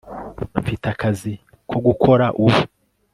mfite akazi ko gukora ubu